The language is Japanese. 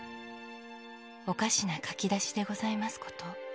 「おかしな書きだしでございますこと」